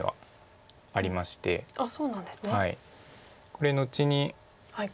これ後に。